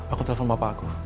aku telepon papa aku